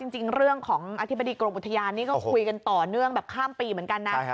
จริงเรื่องของอธิบดีกรมอุทยานนี่ก็คุยกันต่อเนื่องแบบข้ามปีเหมือนกันนะ